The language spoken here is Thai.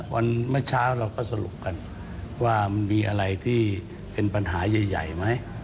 เมื่อเช้าเราก็สรุปกันว่ามันมีอะไรที่เป็นปัญหาใหญ่ไหม